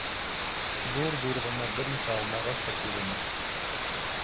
Ҙур-ҙур ғына бер нисә алмағас та күренә.